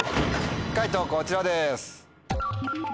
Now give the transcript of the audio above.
解答こちらです。